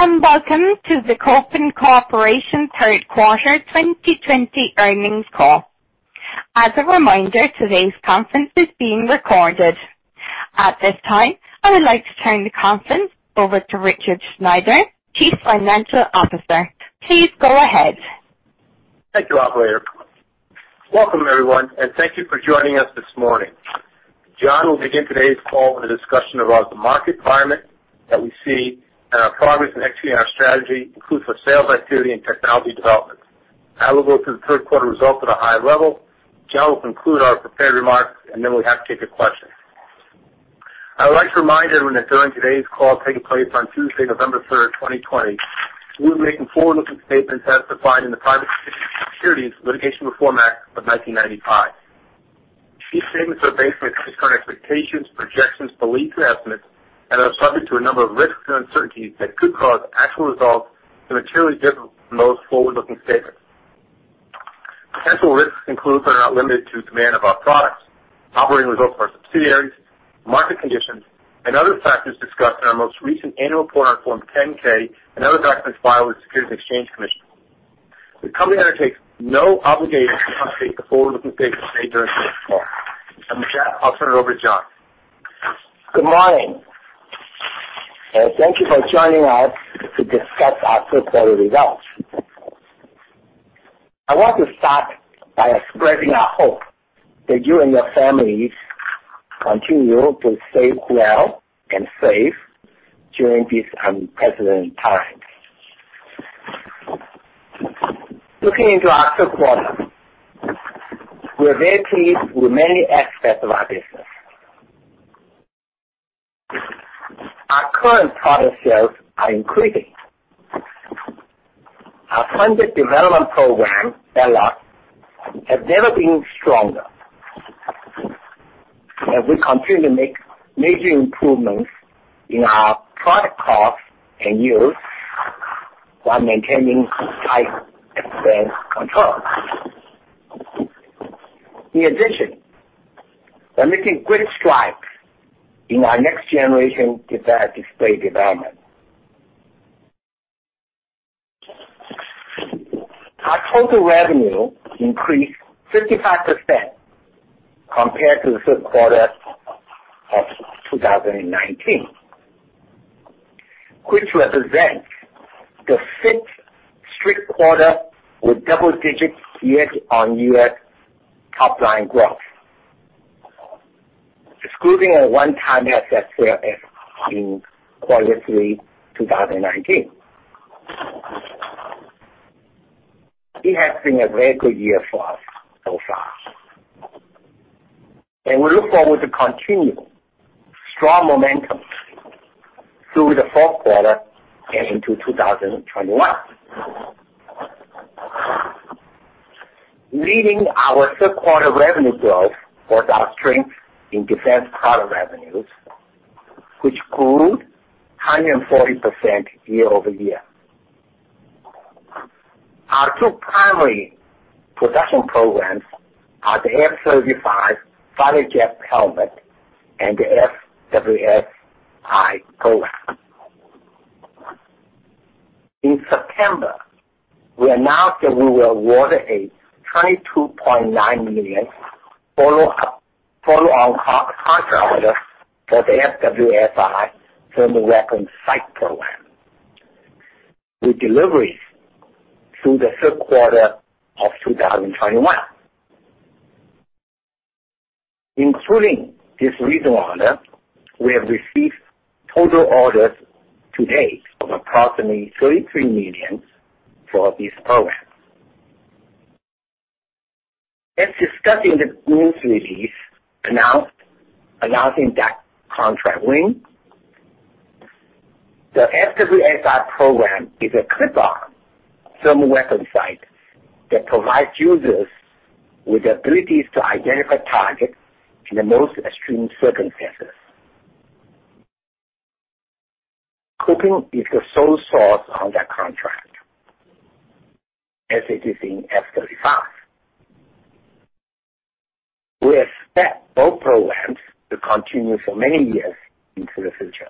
Good day. Welcome to the Kopin Corporation third quarter 2020 earnings call. As a reminder, today's conference is being recorded. At this time, I would like to turn the conference over to Richard Sneider, Chief Financial Officer. Please go ahead. Thank you operator. Welcome everyone, and thank you for joining us this morning. John will begin today's call with a discussion about the market environment that we see and our progress in executing our strategy, including the sales activity and technology developments. I will go through the third quarter results at a high level. John will conclude our prepared remarks, and then we'll be happy to take your questions. I would like to remind everyone that during today's call taking place on Tuesday, November 3rd, 2020, we'll be making forward-looking statements as defined in the Private Securities Litigation Reform Act of 1995. These statements are based on current expectations, projections, beliefs, and estimates, and are subject to a number of risks and uncertainties that could cause actual results to materially differ from those forward-looking statements. Potential risks include, but are not limited to, demand of our products, operating results of our subsidiaries, market conditions, and other factors discussed in our most recent annual report on Form 10-K and other documents filed with the Securities and Exchange Commission. The company undertakes no obligation to update the forward-looking statements made during today's call. With that, I'll turn it over to John. Good morning and thank you for joining us to discuss our third quarter results. I want to start by expressing our hope that you and your families continue to stay well and safe during these unprecedented times. Looking into our third quarter, we're very pleased with many aspects of our business. Our current product sales are increasing. Our funded development program, DLR has never been stronger, and we continue to make major improvements in our product costs and use while maintaining tight expense control. In addition, we're making great strides in our next-generation display development. Our total revenue increased 55% compared to the third quarter of 2019, which represents the sixth straight quarter with double-digit year-on-year top-line growth, excluding a one-time asset sale in quarter three 2019. It has been a very good year for us so far, and we look forward to continuing strong momentum through the fourth quarter and into 2021. Leading our third quarter revenue growth was our strength in defense product revenues, which grew 140% year-over-year. Our two primary production programs are the F-35 fighter jet helmet and the FWS-I program. In September, we announced that we were awarded a $22.9 million follow-on task order for the FWS-I Thermal Weapon Sight program, with deliveries through the third quarter of 2021. Including this recent order, we have received total orders to date of approximately $33 million for this program. As discussed in the news release announcing that contract win, the FWS-I program is a clip-on Thermal Weapon Sight that provides users with the ability to identify targets in the most extreme circumstances. Kopin is the sole source on that contract, as it is in F-35. We expect both programs to continue for many years into the future.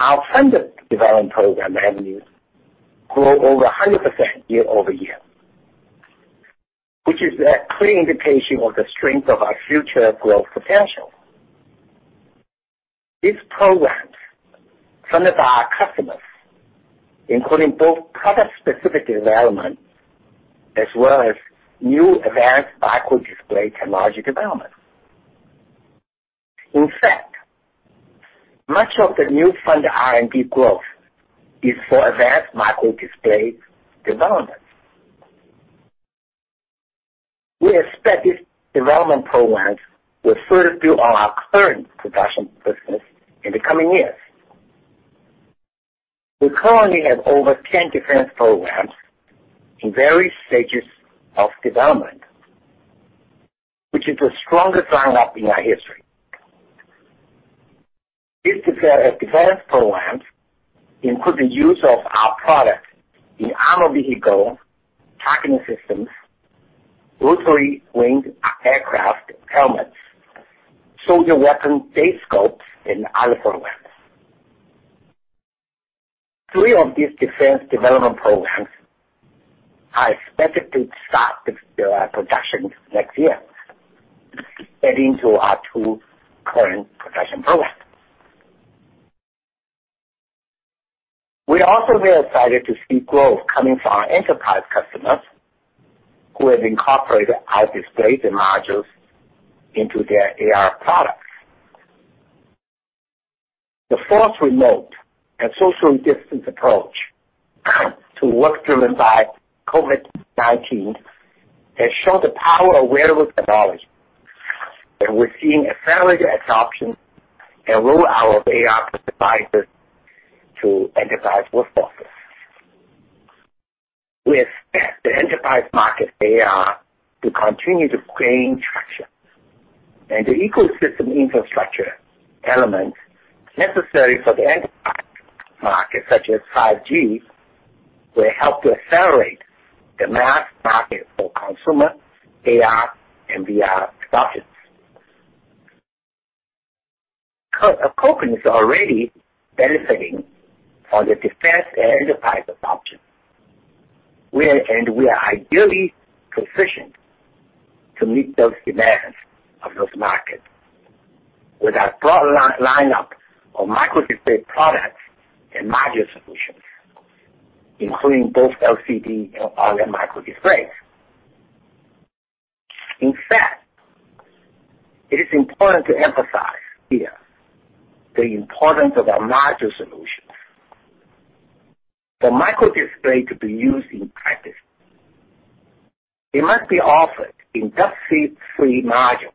Our funded development program revenues grew over 100% year-over-year, which is a clear indication of the strength of our future growth potential. These programs fund our customers, including both product-specific development as well as new advanced microdisplay technology development. In fact, much of the new funded R&D growth is for advanced microdisplay development. We expect these development programs will further fuel our current production business in the coming years. We currently have over 10 defense programs in various stages of development, which is the strongest lineup in our history. These defense programs include the use of our product in armored vehicle targeting systems, Rotary winged aircraft helmets, soldier weapon day scopes, and other programs. Three of these defense development programs are expected to start the production next year, adding to our two current production programs. We are also very excited to see growth coming from our enterprise customers who have incorporated our displays and modules into their AR products. The forced remote and social distance approach to work driven by COVID-19 has shown the power of wearable technology, and we're seeing accelerated adoption and roll-out of AR devices to enterprise workforces. We expect the enterprise market AR to continue to gain traction, and the ecosystem infrastructure elements necessary for the enterprise market, such as 5G, will help to accelerate the mass market for consumer AR and VR products. Kopin is already benefiting from the defense and enterprise adoption. We are ideally positioned to meet those demands of those markets with our broad lineup of microdisplay products and module solutions, including both LCD and OLED microdisplays. In fact, it is important to emphasize here the importance of our module solutions. For microdisplay to be used in practice, they must be offered in dust seal-free modules,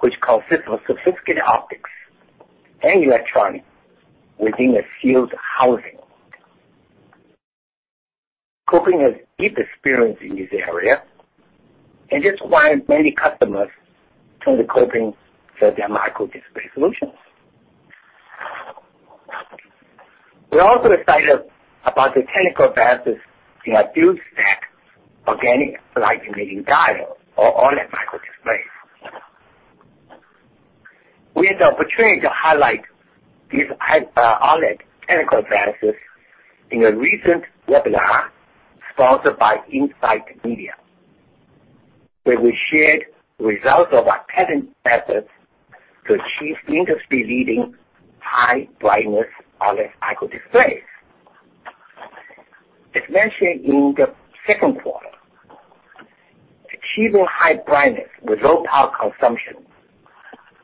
which consist of sophisticated optics and electronics within a sealed housing. Kopin has deep experience in this area, and that's why many customers turn to Kopin for their microdisplay solutions. We're also excited about the technical advances in our double-stack organic light-emitting diode or OLED microdisplays. We had the opportunity to highlight these OLED technical advances in a recent webinar sponsored by Insight Media, where we shared results of our patent efforts to achieve industry-leading high brightness OLED microdisplays, especially in the second quarter. Achieving high brightness with low power consumption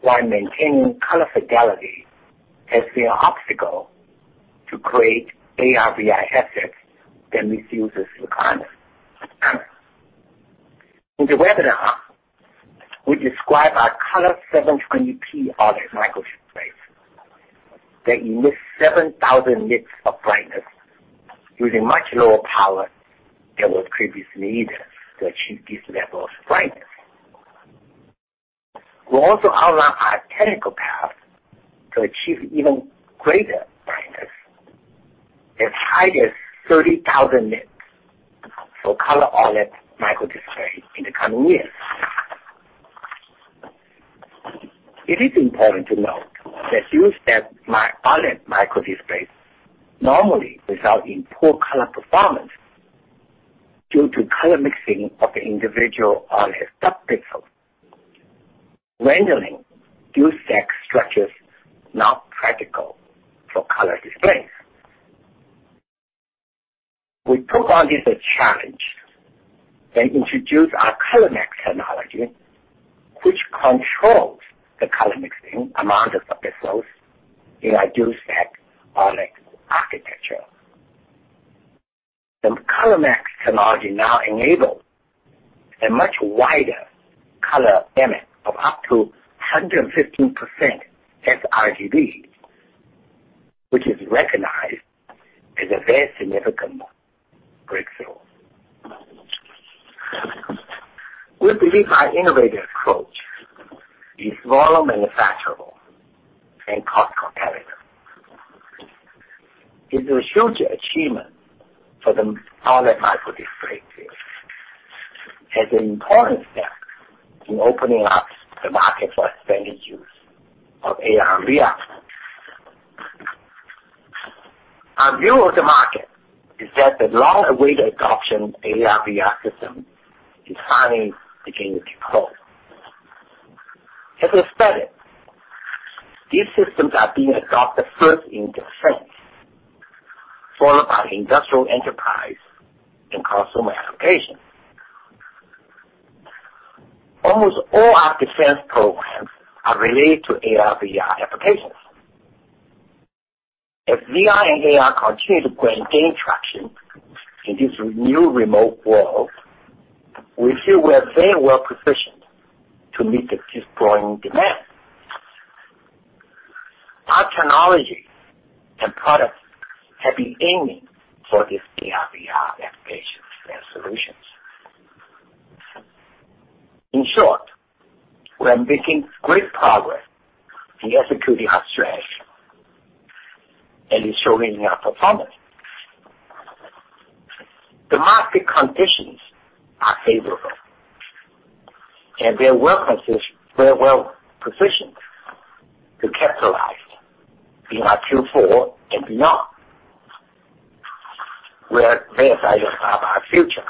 while maintaining color fidelity has been an obstacle to create AR/VR headsets that meet users requirements. In the webinar, we describe our color 720p OLED microdisplays that emit 7,000 nits of brightness using much lower power than was previously needed to achieve this level of brightness. We also outlined our technical path to achieve even greater brightness, as high as 30,000 nits, for color OLED microdisplay in the coming years. It is important to note that double-stack OLED microdisplays normally result in poor color performance due to color mixing of the individual OLED subpixels, rendering double-stack structures not practical for color displays. We took on this challenge and introduced our ColorMax technology, which controls the color mixing among the subpixels in a double-stack OLED architecture. The ColorMax technology now enables a much wider color gamut of up to 115% sRGB, which is recognized as a very significant breakthrough. We believe our innovative approach is more manufacturable and cost competitive. It's a huge achievement for the OLED microdisplay field, as an important step in opening up the market for expanded use of AR and VR. Our view of the market is that the long-awaited adoption of AR and VR systems is finally beginning to grow. As we expected, these systems are being adopted first in defense, followed by industrial, enterprise, and consumer applications. Almost all our defense programs are related to AR and VR applications. As VR and AR continue to gain traction in this new remote world, we feel we are very well positioned to meet this growing demand. Our technology and products have been aiming for these AR/VR applications and solutions. In short, we are making great progress in executing our strategy. Is showing in our performance. The market conditions are favorable, and we are well-positioned to capitalize in our Q4 and beyond. We are very excited about our future.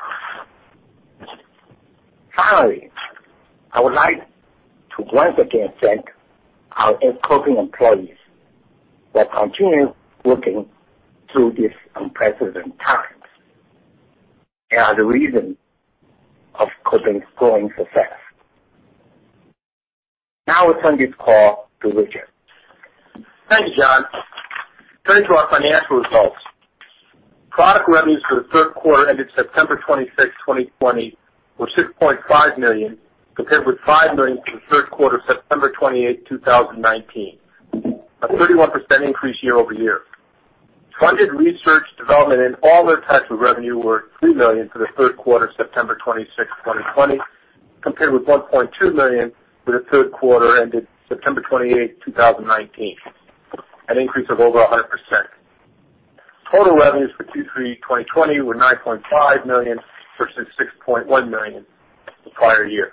Finally, I would like to once again thank our Kopin employees that continue working through these unprecedented times. They are the reason of Kopin's growing success. Now I turn this call to Richard. Thank you John. Turning to our financial results. Product revenues for the third quarter ended September 26, 2020, were $6.5 million, compared with $5 million for the third quarter, September 28, 2019. A 31% increase year-over-year. Funded research development and all other types of revenue were $3 million for the third quarter, September 26, 2020, compared with $1.2 million for the third quarter ended September 28, 2019. An increase of over 100%. Total revenues for Q3 2020 were $9.5 million versus $6.1 million the prior year.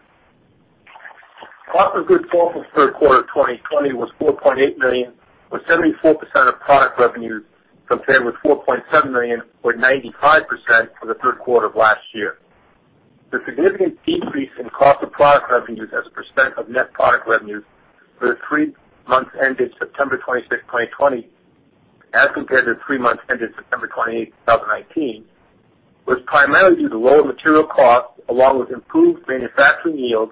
Cost of goods sold for the third quarter of 2020 was $4.8 million, or 74% of product revenues, compared with $4.7 million or 95% for the third quarter of last year. The significant decrease in cost of product revenues as a percent of net product revenues for the three months ended September 26, 2020, as compared to three months ended September 28, 2019, was primarily due to lower material costs, along with improved manufacturing yields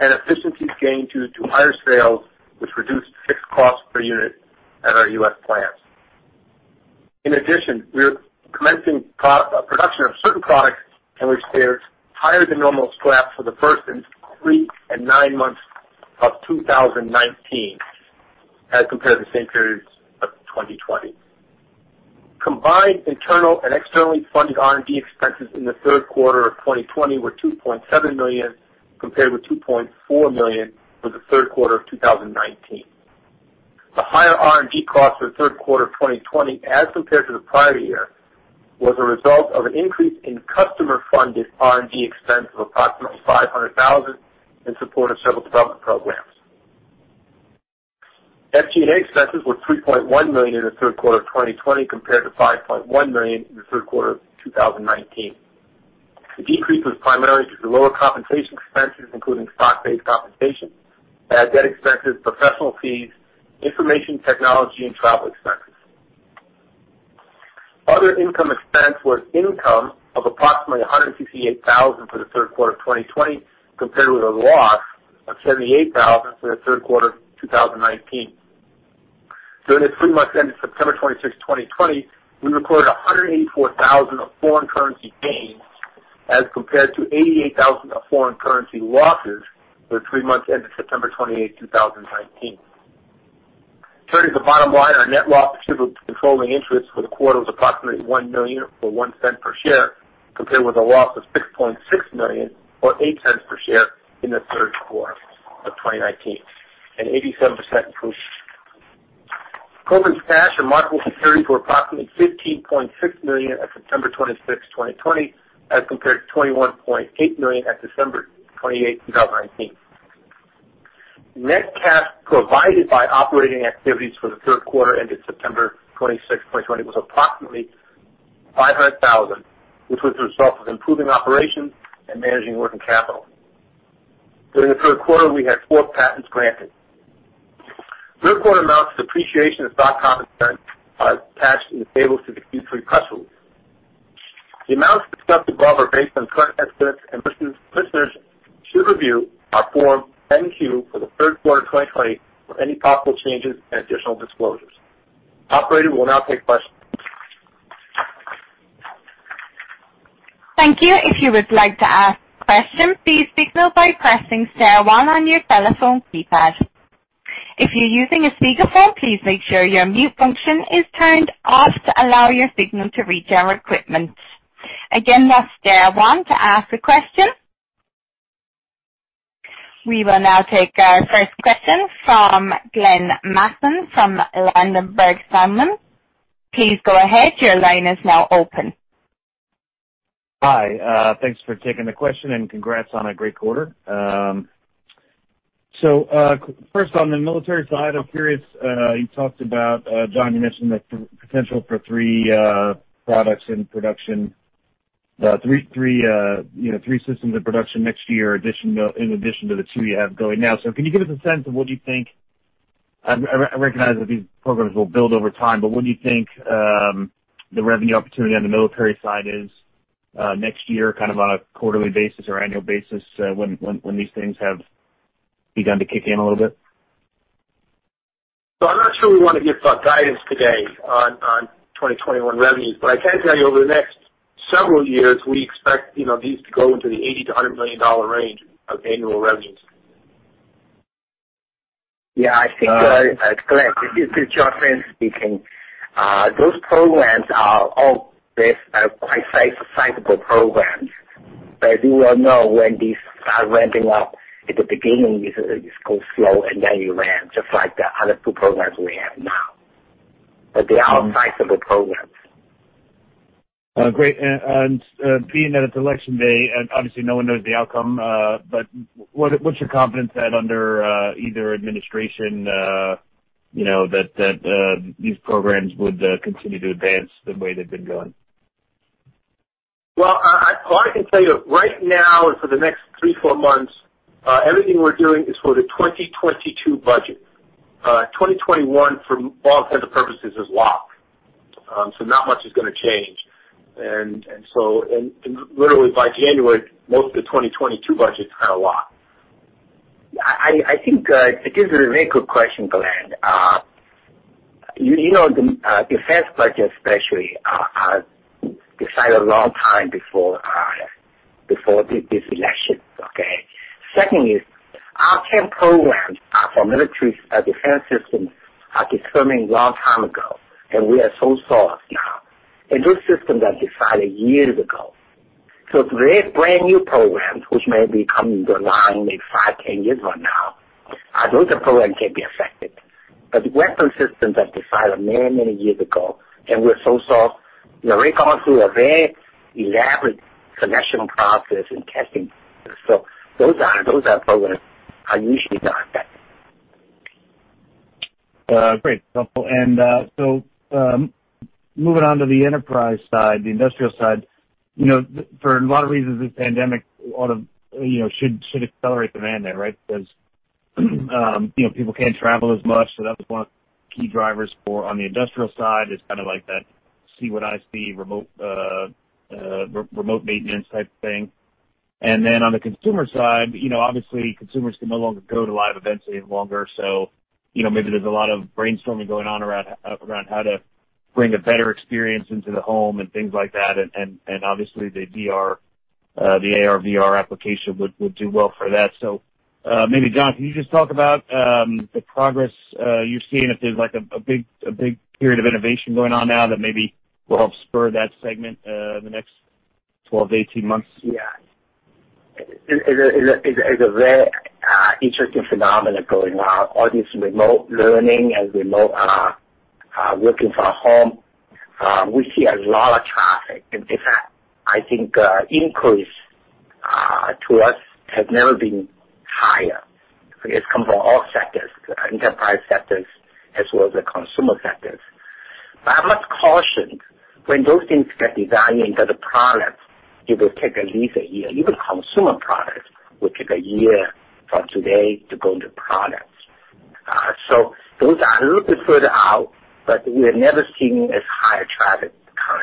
and efficiencies gained due to higher sales, which reduced fixed costs per unit at our U.S. plants. We are commencing production of certain products in which there is higher than normal scrap for the first three and nine months of 2019 as compared to the same periods of 2020. Combined internal and externally funded R&D expenses in the third quarter of 2020 were $2.7 million, compared with $2.4 million for the third quarter of 2019. The higher R&D costs for the third quarter of 2020 as compared to the prior year, was a result of an increase in customer-funded R&D expense of approximately $500,000 in support of several development programs. SG&A expenses were $3.1 million in the third quarter of 2020, compared to $5.1 million in the third quarter of 2019. The decrease was primarily due to lower compensation expenses, including stock-based compensation, bad debt expenses, professional fees, information technology, and travel expenses. Other income expense was income of approximately $168,000 for the third quarter of 2020, compared with a loss of $78,000 for the third quarter of 2019. During the three months ending September 26, 2020, we recorded $184,000 of foreign currency gains as compared to $88,000 of foreign currency losses for the three months ending September 28, 2019. Turning to the bottom line, our net loss attributable to controlling interest for the quarter was approximately $1 million or $0.01 per share, compared with a loss of $6.6 million, or $0.08 per share in the third quarter of 2019, an 87% increase. Kopin's cash and marketable securities were approximately $15.6 million at September 26, 2020, as compared to $21.8 million at December 28, 2019. Net cash provided by operating activities for the third quarter ended September 26, 2020, was approximately $500,000, which was a result of improving operations and managing working capital. During the third quarter, we had four patents granted. Third quarter amounts of depreciation and stock compensation are attached in the tables to the Q3 press release. The amounts discussed above are based on current estimates and listeners should review our Form 10-Q for the third quarter 2020 for any possible changes and additional disclosures. Operator we'll now take questions. Thank you. If you would like to ask questions, please signal by pressing star one on your telephone keypad. If you're using a speakerphone, please make sure your mute function is turned off to allow your signal to reach our equipment. Again, that's star one to ask a question. We will now take our first question from Glenn Mattson from Ladenburg Thalmann. Please go ahead. Your line is now open. Hi. Thanks for taking the question and congrats on a great quarter. First on the military side, I'm curious, John, you mentioned the potential for three systems in production next year in addition to the two you have going now. Can you give us a sense of what you think? I recognize that these programs will build over time, what do you think the revenue opportunity on the military side is next year on a quarterly basis or annual basis when these things have begun to kick in a little bit? I'm not sure we want to give out guidance today on 2021 revenues, but I can tell you over the next several years, we expect these to go into the $80 million-$100 million range of annual revenues. Yeah, I think, Glenn this is John Fan speaking. Those programs are all quite sizable programs. As you well know, when these are ramping up in the beginning it goes slow and then you ramp, just like the other two programs we have now. They are sizable programs. Great. Being that it's election day, and obviously no one knows the outcome, but what's your confidence that under either administration, that these programs would continue to advance the way they've been going? Well, all I can tell you, right now and for the next three, four months, everything we're doing is for the 2022 budget. 2021 for all intents and purposes is locked. Not much is going to change. Literally by January, most of the 2022 budget is kind of locked. I think it is a very good question, Glenn. The defense budget especially are decided a long time before this election. Okay? Secondly is our 10 programs for military defense systems are determined long time ago, and we are sole sourced now, and those systems are decided years ago. If there is brand new programs, which may be coming down maybe 5, 10 years from now, those are programs can be affected. Weapon systems are decided many years ago and we're sole sourced. They're going through a very elaborate selection process and testing, those are programs are usually not affected. Great. Helpful. Moving on to the enterprise side, the industrial side. For a lot of reasons, this pandemic should accelerate demand there, right? Because people can't travel as much, so that was one of the key drivers for on the industrial side is kind of like that see what I see remote maintenance type thing. On the consumer side, obviously consumers can no longer go to live events any longer, so maybe there's a lot of brainstorming going on around how to bring a better experience into the home and things like that, and obviously the AR/VR application would do well for that. Maybe John, can you just talk about the progress you're seeing, if there's a big period of innovation going on now that maybe will help spur that segment in the next 12-18 months? Yeah. It's a very interesting phenomenon going on, all this remote learning and remote working from home. We see a lot of traffic. In fact, I think inquiries to us have never been higher. It comes from all sectors, enterprise sectors as well as the consumer sectors. I must caution, when those things get designed into the product, it will take at least a year. Even consumer products will take a year from today to go into product. Those are a little bit further out, but we have never seen as high traffic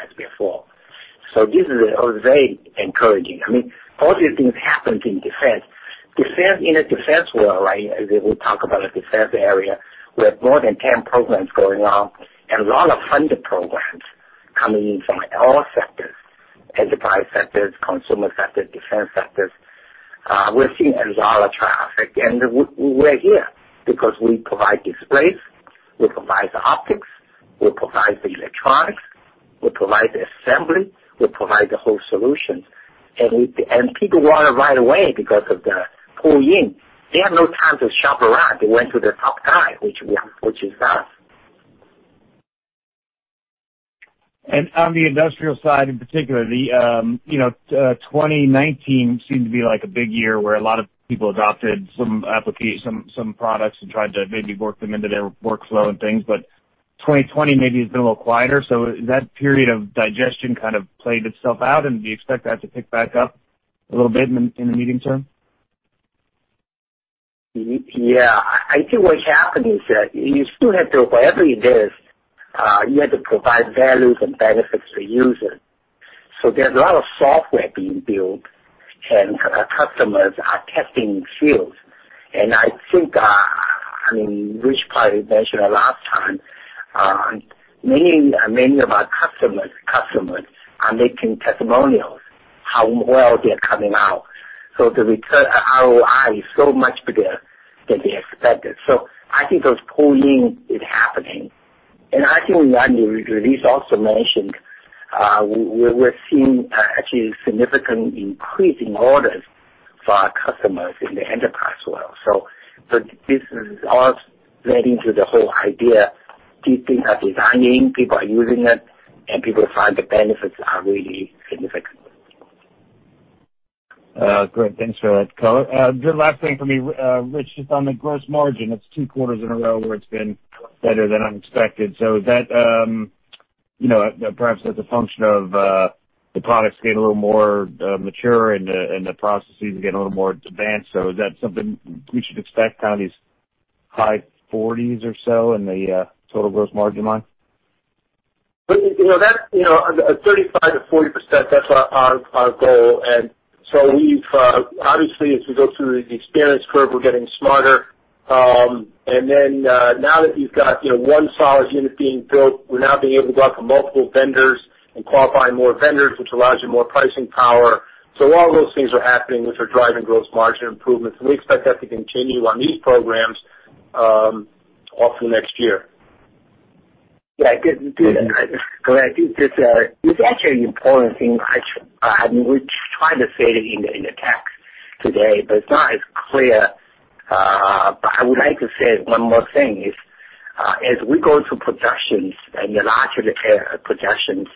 as before. This is very encouraging. All these things happened in defense. In the defense world, as we talk about the defense area, we have more than 10 programs going on and a lot of funded programs coming in from all sectors; enterprise sectors, consumer sectors, defense sectors. We're seeing a lot of traffic, and we're here because we provide displays, we provide the optics, we provide the electronics, we provide the assembly, we provide the whole solution. People want it right away because of the pull-in. They have no time to shop around. They went to the top guy, which is us. On the industrial side in particular, 2019 seemed to be a big year where a lot of people adopted some products and tried to maybe work them into their workflow and things. 2020 maybe has been a little quieter. Has that period of digestion kind of played itself out, and do you expect that to pick back up a little bit in the medium term? Yeah. I think what happened is that you still have to, whatever it is, you have to provide values and benefits to users. There's a lot of software being built, and our customers are testing in fields. I think, Rich probably mentioned it last time, many of our customers' customers are making testimonials how well they're coming out. The ROI is so much bigger than they expected. I think those pull-ins is happening. I think in one of your release also mentioned, we're seeing actually a significant increase in orders for our customers in the enterprise world. This is all leading to the whole idea, these things are designing, people are using it, and people find the benefits are really significant. Great. Thanks for that color. The last thing for me, Rich, just on the gross margin, it's two quarters in a row where it's been better than unexpected. Perhaps that's a function of the products getting a little more mature and the processes getting a little more advanced. Is that something we should expect, kind of these high forties or so in the total gross margin line? 35%-40%, that's our goal. Obviously, as we go through the experience curve, we're getting smarter. Now that we've got one solid unit being built, we're now being able to go out to multiple vendors and qualifying more vendors, which allows you more pricing power. All those things are happening, which are driving gross margin improvements, and we expect that to continue on these programs off to next year. Yeah, good. It's actually an important thing. We tried to say it in the text today, but it's not as clear. I would like to say one more thing, is as we go to productions, and the larger the productions,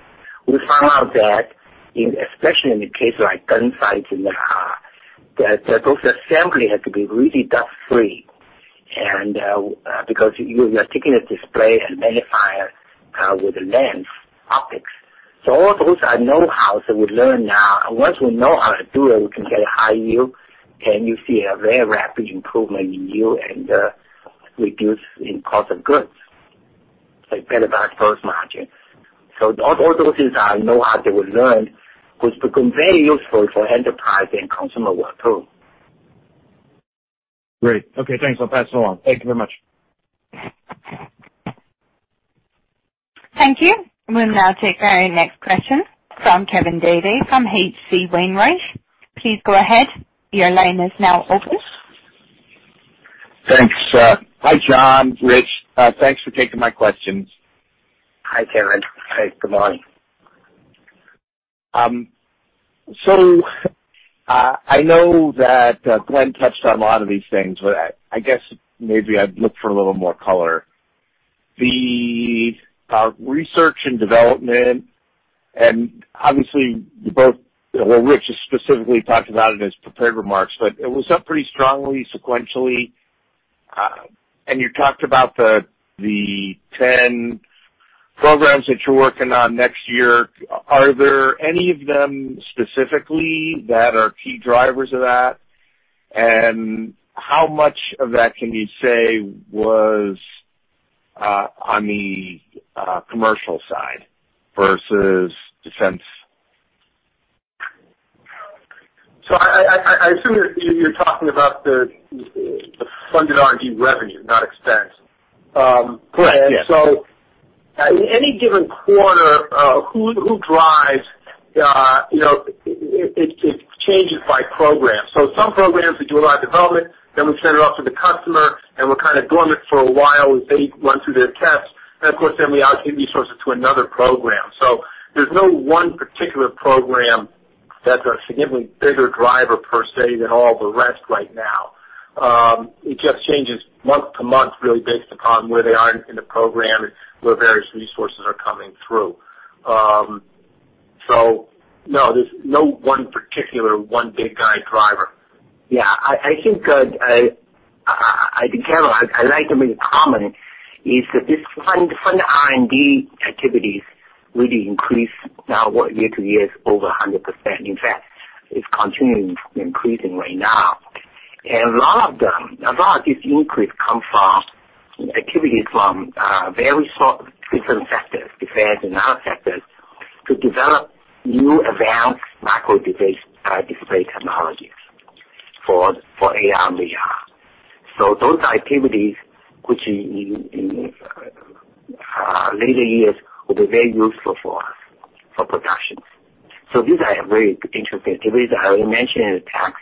we found out that, especially in the case like gun sights in the car, that those assembly had to be really dust-free. Because you are taking a display and magnifier, with the lens optics. All those are know-hows that we learn now. Once we know how to do it, we can get a high yield, and you see a very rapid improvement in yield and a reduce in cost of goods, like better gross margin. All those are know-how that we learned, which become very useful for enterprise and consumer world, too. Great. Okay thanks. I'll pass it along. Thank you very much. Thank you. We'll now take our next question from Kevin Dede from H.C. Wainwright. Thanks. Hi John, Rich. Thanks for taking my questions. Hi Kevin. Hey good morning. I know that Glenn touched on a lot of these things, but I guess maybe I'd look for a little more color. The research and development, and obviously you both. Well, Rich has specifically talked about it in his prepared remarks, but it was up pretty strongly sequentially. And you talked about the 10 programs that you're working on next year. Are there any of them specifically that are key drivers of that? And how much of that can you say was on the commercial side versus defense? I assume you're talking about the funded R&D revenue, not expense. Correct, yes. In any given quarter, who drives, it changes by program. Some programs, we do a lot of development, then we send it off to the customer, and we're kind of dormant for a while as they run through their tests. Of course, then we allocate resources to another program. There's no one particular program that's a significantly bigger driver per se than all the rest right now. It just changes month to month, really based upon where they are in the program and where various resources are coming through. No, there's no one particular one big guy driver. Kevin, I like to make a comment, is that this funded R&D activities really increased now what, year-over-year, is over 100%. It's continuing increasing right now. A lot of this increase comes from activities from very different sectors, defense and other sectors, to develop new advanced microdisplay technologies for AR and VR. Those activities, which in later years, will be very useful for us for production. These are very interesting activities. I already mentioned in the text.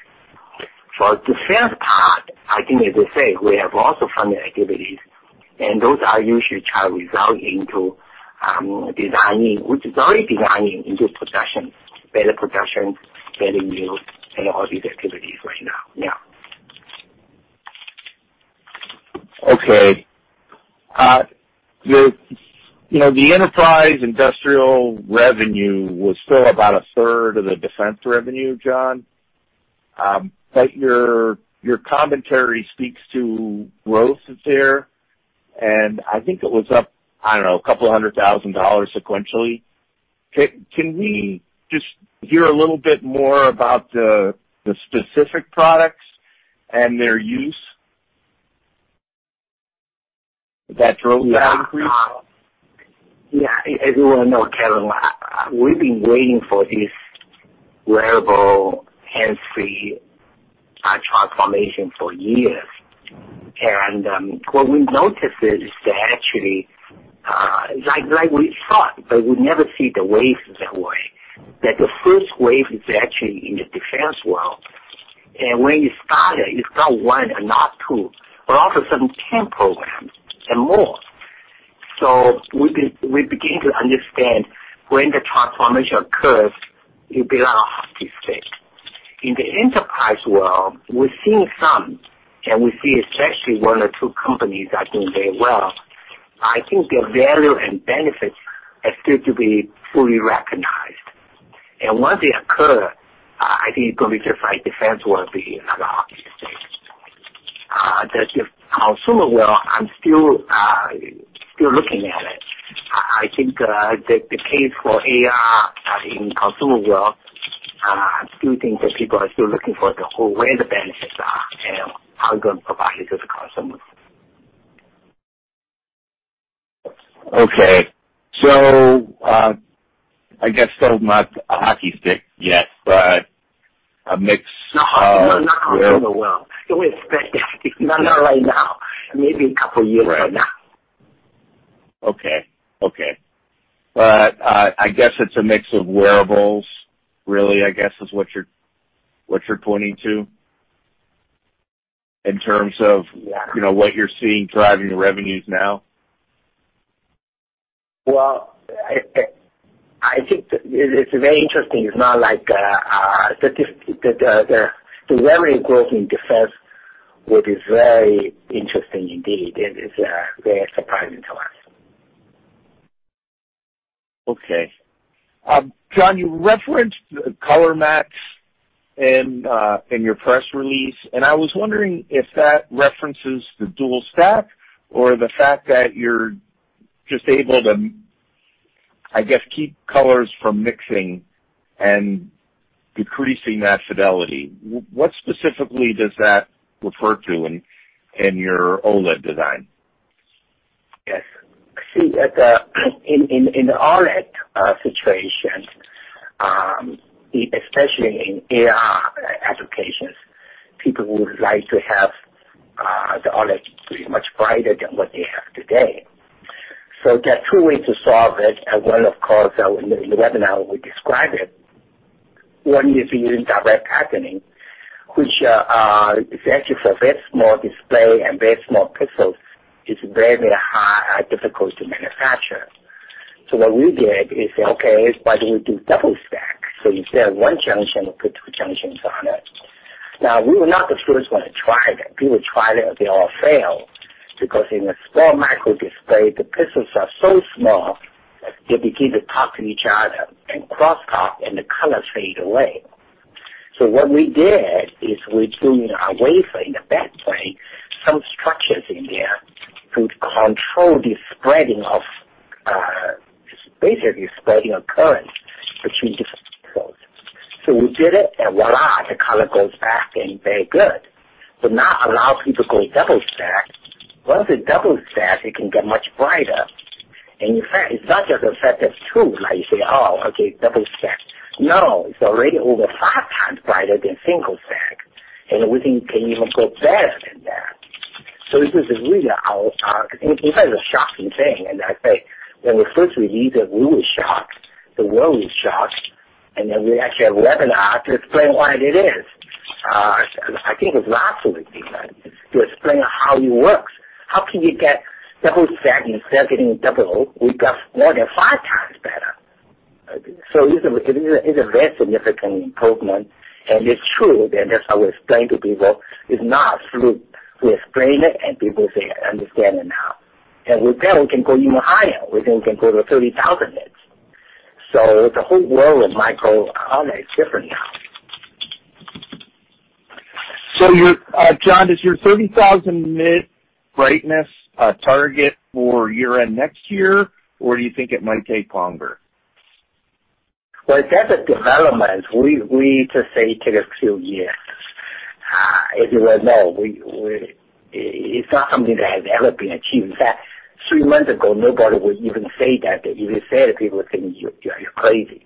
For the defense part, I think as I said, we have also funded activities and those are usually designing into production, better production, better yields, and all these activities right now. Okay. The enterprise industrial revenue was still about a third of the defense revenue John, but your commentary speaks to growth that's there, and I think it was up, I don't know, a couple hundred thousand dollars sequentially. Can we just hear a little bit more about the specific products and their use? That drove the increase? Yeah. As you well know, Kevin, we've been waiting for this wearable, hands-free transformation for years. What we've noticed is that actually, like we thought, but we never see the waves that way, that the first wave is actually in the defense world. When you start it's not one and not two, but all of a sudden, 10 programs and more. We begin to understand when the transformation occurs, it'll be like a hockey stick. In the enterprise world, we're seeing some, and we see especially one or two companies are doing very well. I think their value and benefits are still to be fully recognized. Once they occur, I think it's going to be just like defense world, be another hockey stick. The consumer world, I'm still looking at it. I think, the case for AR in consumer world, I still think that people are still looking for the whole where the benefits are and how we're going to provide it to the consumers. Okay. I guess so not a hockey stick yet, but a mix of. No, not consumer world. It will be a stick. Not right now. Maybe a couple years from now. Okay. I guess it's a mix of wearables, really, I guess is what you're pointing to, in terms of what you're seeing driving the revenues now? Well, I think it's very interesting. It's not like the revenue growth in defense, which is very interesting indeed, and is very surprising to us. Okay. John, you referenced ColorMax in your press release, and I was wondering if that references the double-stack or the fact that you're just able to keep colors from mixing and decreasing that fidelity. What specifically does that refer to in your OLED design? Yes. See, in the OLED situation, especially in AR applications, people would like to have the OLED pretty much brighter than what they have today. There are two ways to solve it, and one, of course, in the webinar, we described it. One is using direct patterning, which is actually for very small display and very small pixels, is very difficult to manufacture. What we did is say, "Okay, why don't we do double-stack?" Instead of one junction, we put two junctions on it. Now, we were not the first one to try that. People tried it, they all failed, because in a small microdisplay, the pixels are so small that they begin to talk to each other and cross talk, and the colors fade away. What we did is we put a wafer in the backplane, some structures in there to control the spreading of current between different pixels. We did it, and voila, the color goes back and very good. Now a lot of people go double-stack. Once it's double-stack, it can get much brighter. In fact, it's not just a factor of two, like you say, "Oh, okay, double-stack." No, it's already over five times brighter than single-stack, and we think can even go better than that. This is really, I think, a shocking thing, and I say, when we first released it, we were shocked, the world was shocked, and then we actually had a webinar to explain what it is. I think it's lots of things to explain how it works. How can you get double-stack, instead of getting double, we got more than 5x better. It's a very significant improvement, and it's true, and that's how we explain to people. It's not fluke. We explain it, and people say, "I understand it now." With that, we can go even higher. We think we can go to 30,000 nits. The whole world of micro OLED is different now. John, is your 30,000-nit brightness target for year-end next year, or do you think it might take longer? Well, that development, we just say takes a few years. As you well know, it's not something that has ever been achieved. In fact, three months ago, nobody would even say that. If you said it, people would think you're crazy.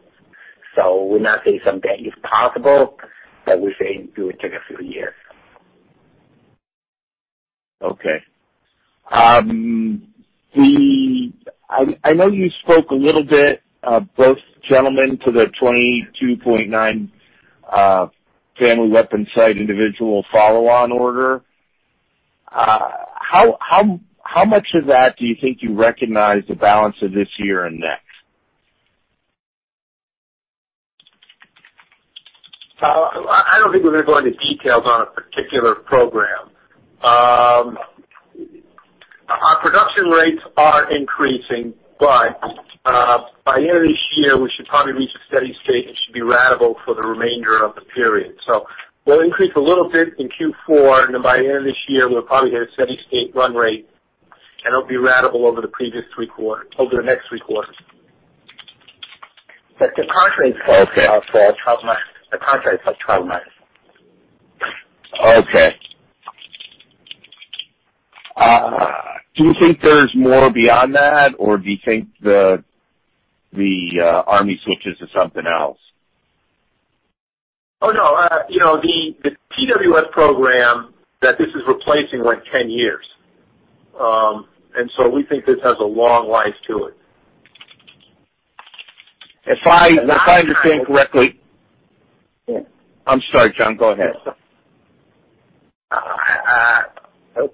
We're not saying some day it's possible, but we're saying it will take a few years. Okay. I know you spoke a little bit, both gentlemen, to the 22.9 Family of Weapon Sight-Individual follow-on order. How much of that do you think you recognize the balance of this year and next? I don't think we're going to go into details on a particular program. Our production rates are increasing, but by end of this year, we should probably reach a steady state and should be ratable for the remainder of the period. We'll increase a little bit in Q4, and then by end of this year, we'll probably hit a steady state run rate, and it'll be ratable over the next three quarters. But the contract- Okay for 12 months. The contract is for 12 months. Okay. Do you think there's more beyond that, or do you think the Army switches to something else? Oh, no. The TWS program that this is replacing went 10 years. We think this has a long life to it. If I understand correctly. I'm sorry, John go ahead. Go ahead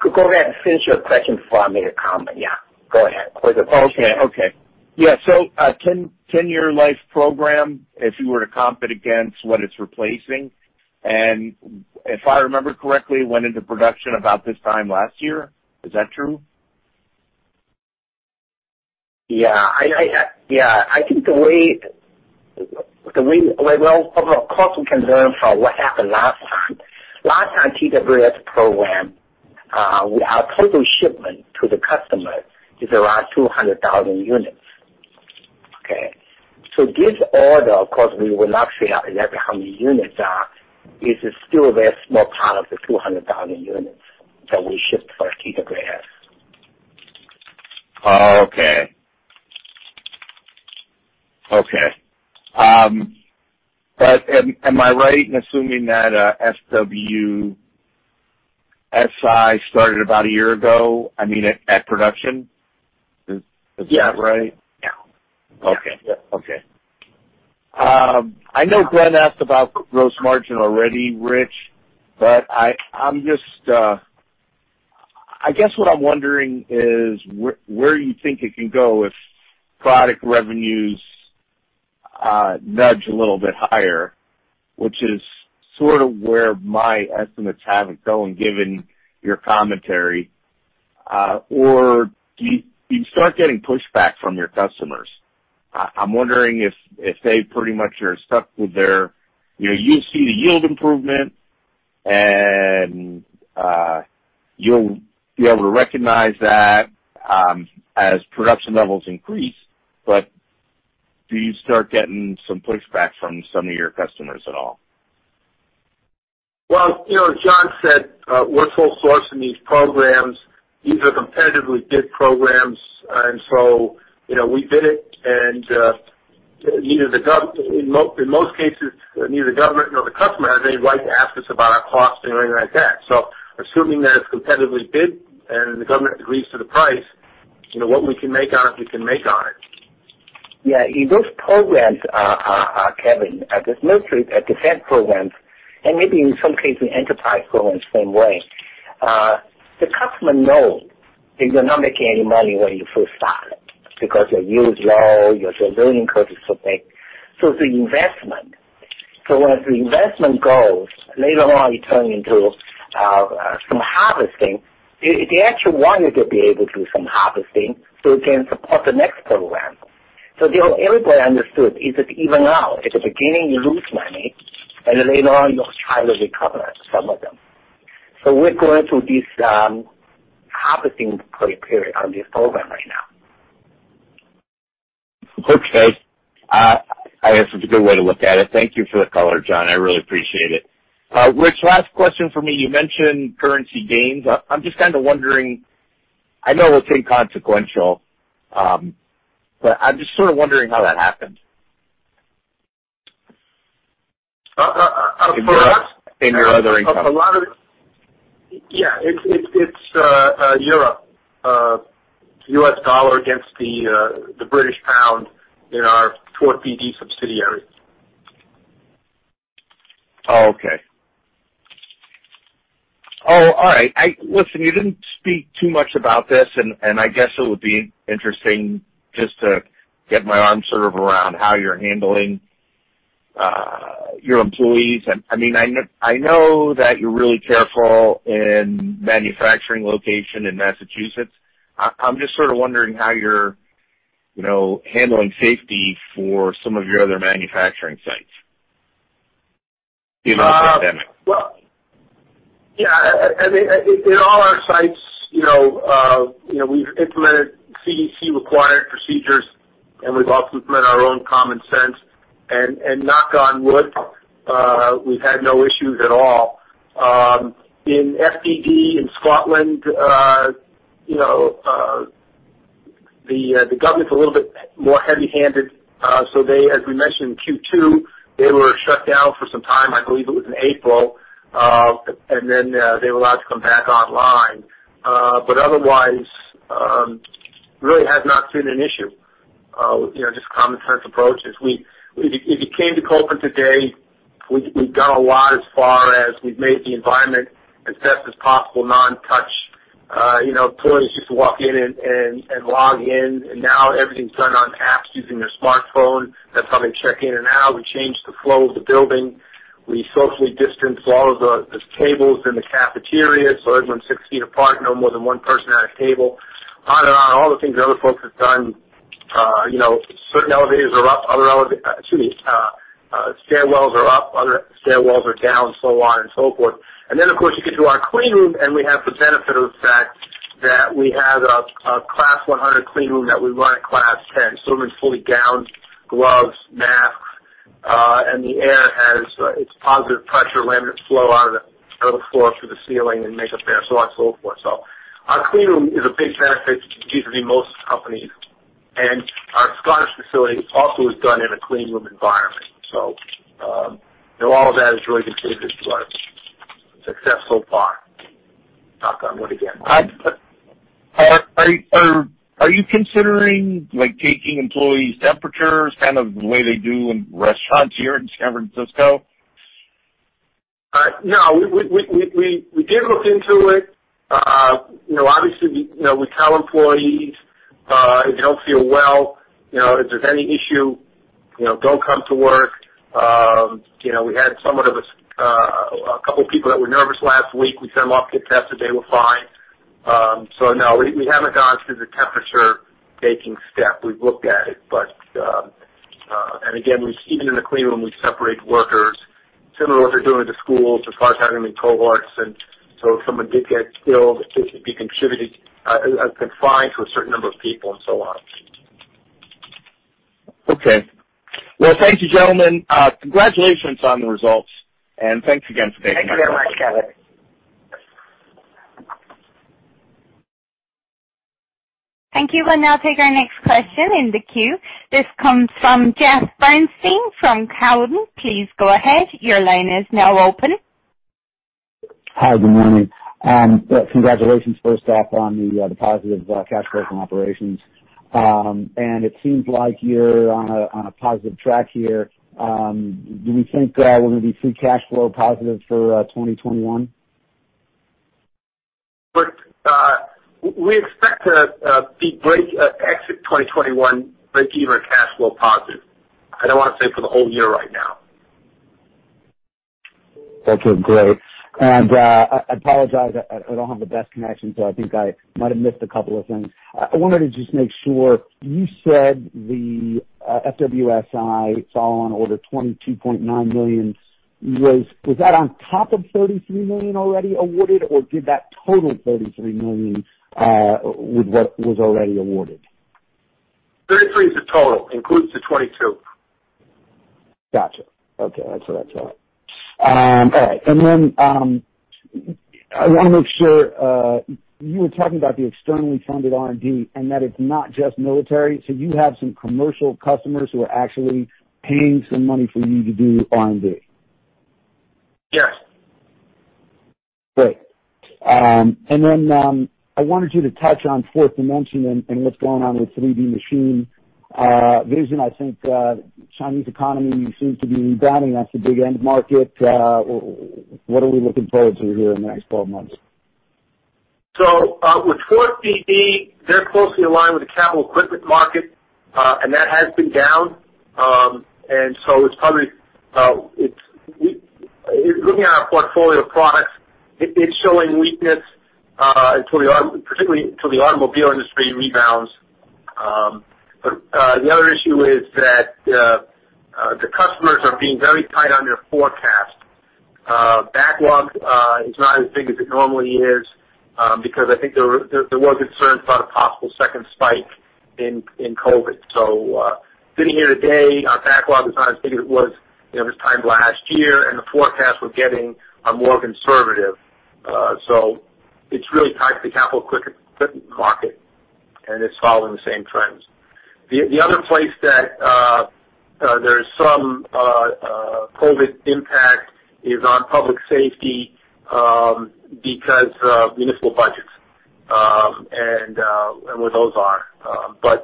and finish your question before I make a comment. Yeah, go ahead. Okay. Yeah. 10-year life program, if you were to comp it against what it's replacing, and if I remember correctly, it went into production about this time last year. Is that true? Yeah. I think of course, we can learn from what happened last time. Last time, TWS program, our total shipment to the customer is around 200,000 units. Okay. This order, of course, we will not say exactly how many units are, is still a very small part of the 200,000 units that we shipped for TWS. Okay. Am I right in assuming that FWS-I started about a year ago, at production? Is that right? Yeah. Okay, I know Glenn asked about gross margin already, Rich, I guess what I'm wondering is where you think it can go if product revenues nudge a little bit higher, which is sort of where my estimates have it going, given your commentary. Do you start getting pushback from your customers? I'm wondering if they pretty much are stuck with, you'll see the yield improvement, and you'll be able to recognize that as production levels increase. Do you start getting some pushback from some of your customers at all? Well, as John said, we're full sourced in these programs. These are competitively bid programs. We bid it, and in most cases, neither the government nor the customer has any right to ask us about our costs or anything like that. Assuming that it's competitively bid and the government agrees to the price, what we can make on it, we can make on it. Yeah. In those programs Kevin, as military defense programs, and maybe in some cases, enterprise programs same way, the customer knows that you're not making any money when you first start it, because your yield is low, your learning curve is so big. It's an investment. Once the investment goes, later on, it turn into some harvesting. If they actually want it, they'll be able to do some harvesting so it can support the next program. Everybody understood is that even now, at the beginning, you lose money, and later on, you'll try to recover some of them. We're going through this harvesting period on this program right now. Okay. I guess it's a good way to look at it. Thank you for the color, John. I really appreciate it. Rich, last question from me. You mentioned currency gains. I'm just kind of wondering, I know it's inconsequential, but I'm just sort of wondering how that happened. For us? In your other income. Yeah. It's Europe. U.S. dollar against the British pound in our FDD subsidiary. Oh, okay. All right. Listen, you didn't speak too much about this, and I guess it would be interesting just to get my arm sort of around how you're handling your employees. I know that you're really careful in manufacturing location in Massachusetts. I'm just sort of wondering how you're handling safety for some of your other manufacturing sites in the pandemic. Well, yeah. In all our sites, we've implemented CDC-required procedures. We've also implemented our own common sense. Knock on wood, we've had no issues at all. In FDD in Scotland, the government's a little bit more heavy-handed. They, as we mentioned in Q2, they were shut down for some time, I believe it was in April. They were allowed to come back online. Otherwise, really has not been an issue. Just common sense approaches. If you came to Kopin today, we've gone a lot as far as we've made the environment as best as possible non-touch. Employees used to walk in and log in, and now everything's done on apps using their smartphone. That's how they check in and out. We changed the flow of the building. We socially distanced all of the tables in the cafeteria, so everyone's 6 ft apart, no more than one person at a table. On and on, all the things the other folks have done. Certain elevators are up, other stairwells are up, other stairwells are down, so on and so forth. Then, of course, you get to our clean room, and we have the benefit of that we have a Class 100 clean room that we run at Class 10. Everyone's fully gowned, gloves, masks, and the air has its positive pressure, letting it flow out of the floor through the ceiling and make it there, so on and so forth. Our clean room is a big benefit compared to most companies. Our Scottish facility also is done in a clean room environment. All of that has really contributed to our success so far. Knock on wood again. Are you considering taking employees' temperatures, kind of the way they do in restaurants here in San Francisco? No, we did look into it. Obviously, we tell employees, if you don't feel well, if there's any issue, don't come to work. We had somewhat of a couple people that were nervous last week. We sent them off to get tested. They were fine. No, we haven't gone through the temperature-taking step. We've looked at it. Again, even in the clean room, we separate workers, similar to what they're doing at the schools as far as having them in cohorts. If someone did get ill, the case would be confined to a certain number of people and so on. Okay. Well, thank you gentlemen. Congratulations on the results. Thanks again for taking my call. Thank you very much Kevin. Thank you. We'll now take our next question in the queue. This comes from Jeff Bernstein from Cowen. Please go ahead. Hi good morning. Congratulations first off on the positive cash flow from operations. It seems like you're on a positive track here. Do we think we're going to be free cash flow positive for 2021? We expect to break exit 2021 breakeven cash flow positive. I don't want to say for the whole year right now. Okay, great. I apologize, I don't have the best connection, so I think I might have missed a couple of things. I wanted to just make sure, you said the FWS-I, it's all on order $22.9 million. Was that on top of $33 million already awarded, or did that total $33 million with what was already awarded? $33 million is the total, includes the $22 million. Got you. Okay. That's what that's at. All right. I want to make sure, you were talking about the externally funded R&D, and that it's not just military. You have some commercial customers who are actually paying some money for you to do R&D? Yes. Great. Then, I wanted you to touch on Forth Dimension and what's going on with 3D machine vision. I think Chinese economy seems to be down, and that's a big end market. What are we looking forward to here in the next 12 months? With 4D, they're closely aligned with the capital equipment market, and that has been down. Looking at our portfolio of products, it's showing weakness particularly until the automobile industry rebounds. The other issue is that the customers are being very tight on their forecast. Backlog is not as big as it normally is, because I think there was concern about a possible second spike in COVID. Sitting here today, our backlog is not as big as it was this time last year, and the forecasts we're getting are more conservative. It's really tied to the capital equipment market, and it's following the same trends. The other place that there's some COVID impact is on public safety, because of municipal budgets, and where those are.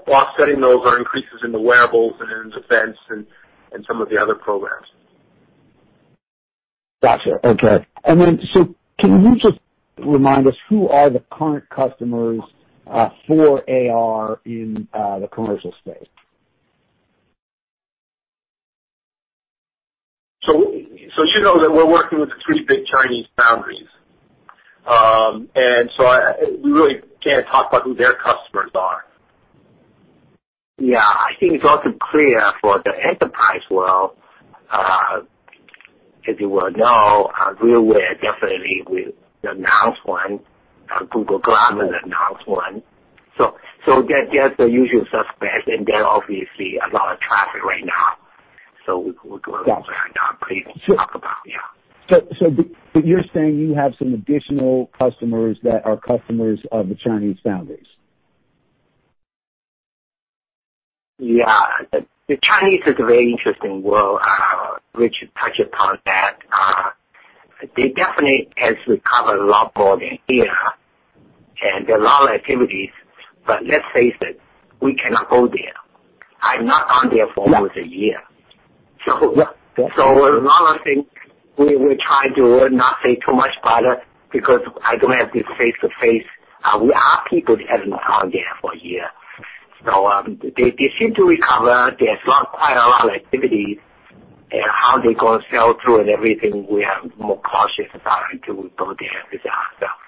Offsetting those are increases in the wearables and in defense and some of the other programs. Got you. Okay. Can you just remind us who are the current customers for AR in the commercial space? You know that we're working with the three big Chinese foundries. We really can't talk about who their customers are. Yeah. I think it's also clear for the enterprise world. As you well know, RealWear definitely announced one, Google Glass announced one. That's the usual suspects, and they're obviously a lot of traffic right now. We're going to find out pretty soon. You're saying you have some additional customers that are customers of the Chinese foundries? Yeah. The Chinese is a very interesting world. Rich touched upon that. They definitely has recovered a lot more than here, and there are a lot of activities. let's face it, we cannot go there. I've not gone there for almost a year. Yeah. A lot of things we're trying to not say too much about it because I don't have the face-to-face. Our people haven't gone there for a year. They seem to recover. There's quite a lot of activities, and how they're going to sell through and everything, we are more cautious about until we go there ourselves.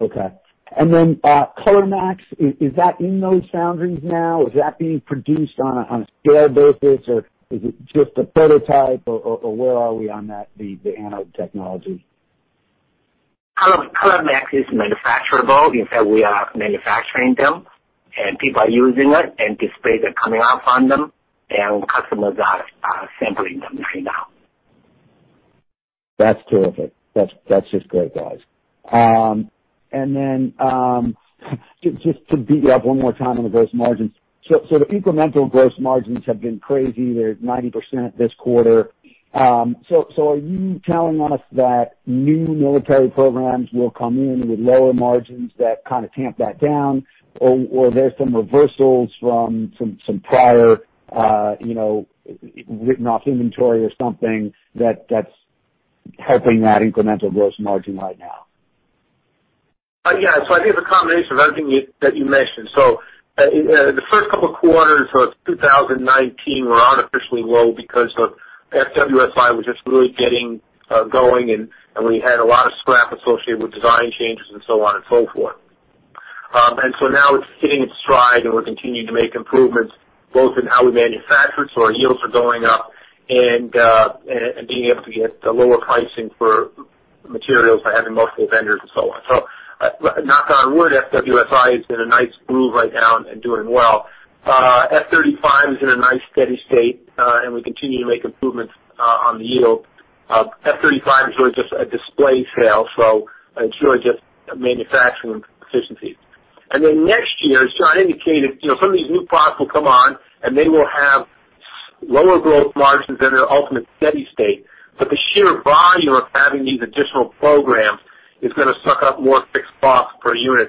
Okay. ColorMax, is that in those foundries now? Is that being produced on a spare basis, or is it just a prototype, or where are we on the anode technology? ColorMax is manufacturable. In fact, we are manufacturing them, and people are using it, and displays are coming off on them, and customers are sampling them right now. That's terrific. That's just great guys. Just to beat you up one more time on the gross margins. The incremental gross margins have been crazy. They're 90% this quarter. Are you telling us that new military programs will come in with lower margins that kind of tamp that down? There's some reversals from some prior written-off inventory or something that's helping that incremental gross margin right now? Yeah. I think it's a combination of everything that you mentioned. The first couple of quarters of 2019 were artificially low because the FWS-I was just really getting going, and we had a lot of scrap associated with design changes and so on and so forth. Now it's hitting its stride, and we're continuing to make improvements both in how we manufacture, so our yields are going up, and being able to get lower pricing for materials by having multiple vendors and so on. Knock on wood, FWS-I is in a nice groove right now and doing well. F-35 is in a nice steady state, and we continue to make improvements on the yield. F-35 is really just a display sale, so it's really just manufacturing efficiency. Next year as John indicated, some of these new products will come on, and they will have lower gross margins than their ultimate steady state, but the sheer volume of having these additional programs is going to suck up more fixed costs per unit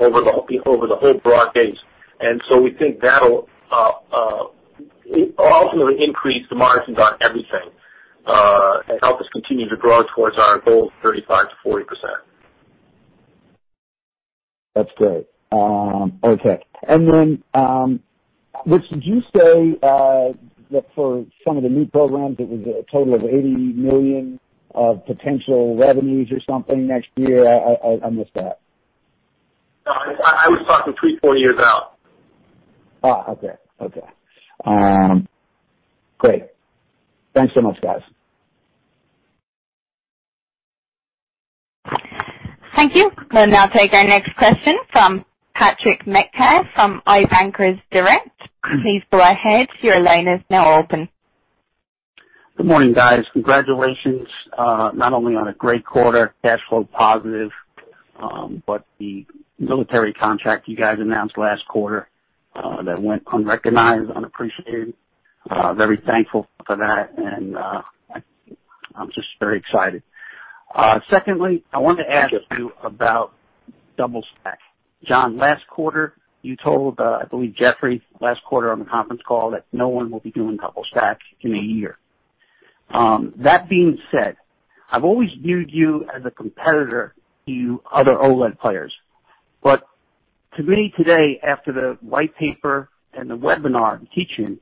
over the whole broad base. We think that'll ultimately increase the margins on everything, and help us continue to grow towards our goal of 35%-40%. That's great. Okay. Rich, did you say that for some of the new programs, it was a total of $80 million of potential revenues or something next year? I missed that. No, I was talking 3,4 years out. Okay. Great. Thanks so much guys. Thank you. We'll now take our next question from Patrick Metcalf from I-Bankers Direct. Please go ahead. Good morning, guys. Congratulations, not only on a great quarter, cash flow positive, but the military contract you guys announced last quarter, that went unrecognized, unappreciated. Very thankful for that and, I'm just very excited. Secondly, I wanted to ask you about double-stack. John, last quarter, you told, I believe Jeffrey, last quarter on the conference call, that no one will be doing double-stack in a year. That being said, I've always viewed you as a competitor to other OLED players. To me today, after the white paper and the webinar teaching,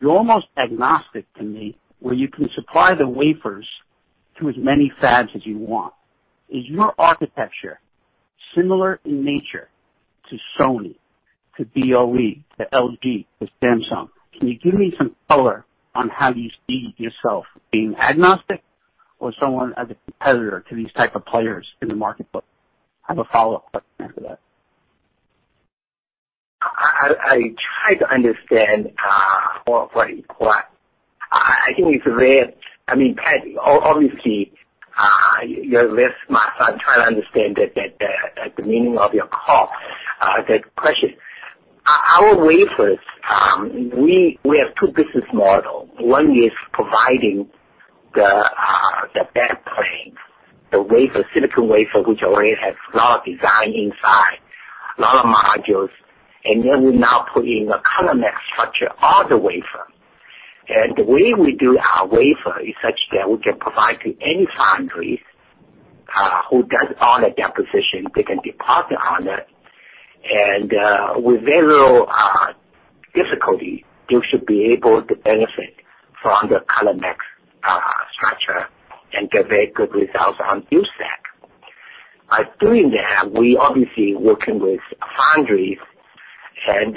you're almost agnostic to me, where you can supply the wafers to as many fabs as you want. Is your architecture similar in nature to Sony, to BOE, to LG, to Samsung? Can you give me some color on how you see yourself being agnostic or someone as a competitor to these type of players in the marketplace? I have a follow-up question after that. I try to understand, what you want. I think it's very, Pat, obviously, you're very smart, so I'm trying to understand the meaning of your call, the question. Our wafers, we have two business model. One is providing the back plane, the silicon wafer, which already has a lot of design inside, a lot of modules, and then we now put in a ColorMax structure on the wafer. The way we do our wafer is such that we can provide to any foundry, who does all the deposition. They can deposit on it, and with very little difficulty, you should be able to benefit from the ColorMax structure and get very good results on double-stack. By doing that, we're obviously working with foundries, and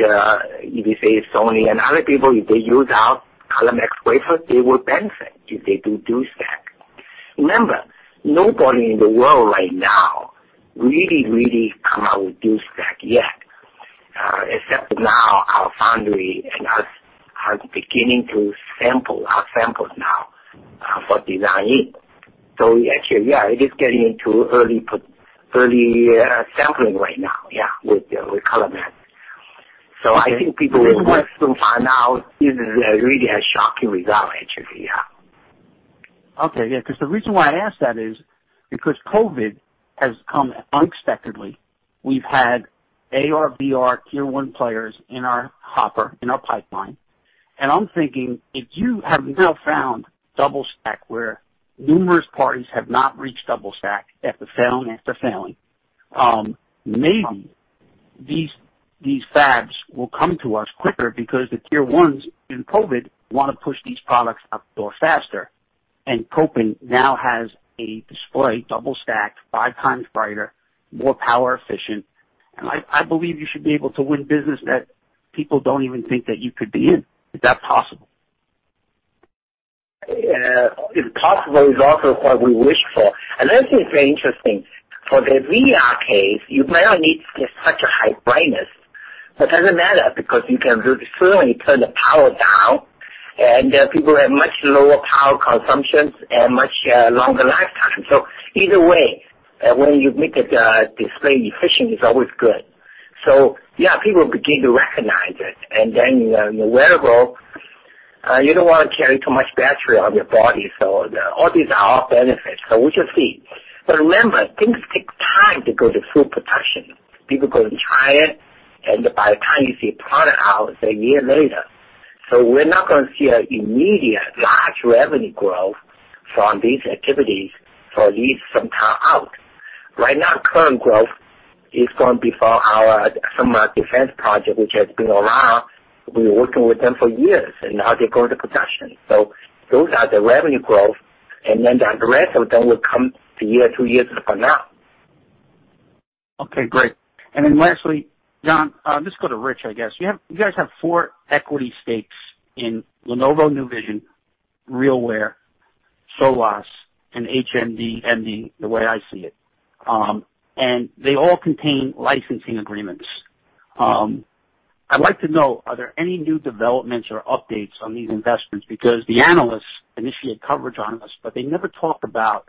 if you say Sony and other people, if they use our ColorMax wafer, they will benefit if they do double-stack. Remember, nobody in the world right now really come out with double-stack yet. Now our foundry and us are beginning to sample our samples now for designing. Actually, yeah, it is getting into early sampling right now, yeah, with ColorMax. I think people will soon find out this is really a shocking result, actually. Yeah. Okay. Yeah. The reason why I ask that is because COVID has come unexpectedly. We've had AR/VR tier 1 players in our hopper, in our pipeline. I'm thinking if you have now found double stack where numerous parties have not reached double stack after failing, maybe these fabs will come to us quicker because the tier 1s in COVID want to push these products out the door faster. Kopin now has a display double stack, five times brighter, more power efficient, and I believe you should be able to win business that people don't even think that you could be in. Is that possible? It's possible. It's also what we wish for. Another thing very interesting, for the VR case, you might not need such a high brightness. It doesn't matter because you can certainly turn the power down, and then people have much lower power consumption and much longer lifetime. Either way, when you make the display efficient, it's always good. Yeah, people begin to recognize it, and then in the wearable, you don't want to carry too much battery on your body. All these are all benefits. We shall see. Remember, things take time to go to full production. People go to China, and by the time you see a product out, it's a year later. We're not going to see an immediate large revenue growth from these activities for at least some time out. Right now, current growth is going to be for our defense project, which has been around. We've been working with them for years. Now they're going to production. Those are the revenue growth. The rest of them will come one year, two years from now. Okay, great. Lastly, John, I'll just go to Rich, I guess. You guys have four equity stakes in Lenovo New Vision, RealWear, Solos, and HMDmd the way I see it. They all contain licensing agreements. I'd like to know, are there any new developments or updates on these investments? The analysts initiate coverage on us, but they never talk about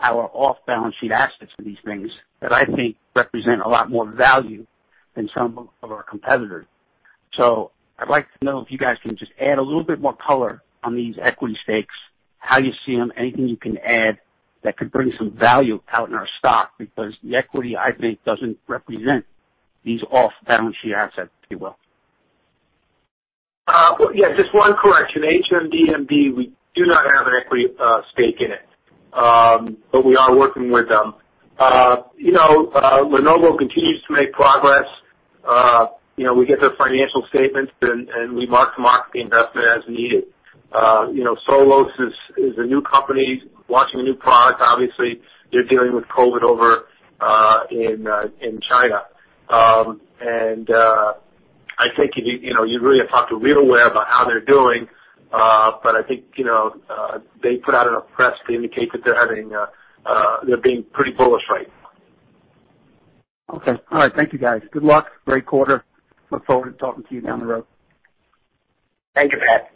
our off-balance-sheet assets for these things that I think represent a lot more value than some of our competitors. I'd like to know if you guys can just add a little bit more color on these equity stakes, how you see them, anything you can add that could bring some value out in our stock, because the equity, I think, doesn't represent these off-balance-sheet assets, if you will. Yeah, just one correction. HMDmd, we do not have an equity stake in it. We are working with them. Lenovo continues to make progress. We get their financial statements and we mark-to-market the investment as needed. Solos is a new company launching a new product. Obviously, they're dealing with COVID over in China. I think you'd really have to talk to RealWear about how they're doing. I think they put out in a press they indicate that they're being pretty bullish right now. Okay. All right. Thank you, guys. Good luck. Great quarter. Look forward to talking to you down the road. Thank you Pat.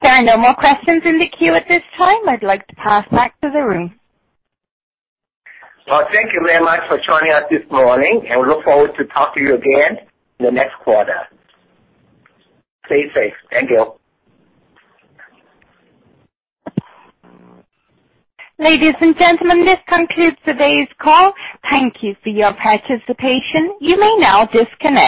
There are no more questions in the queue at this time. I'd like to pass back to the room. Thank you very much for joining us this morning, and we look forward to talking to you again in the next quarter. Stay safe. Thank you. Ladies and gentlemen this concludes today's call. Thank you for your participation. You may now disconnect.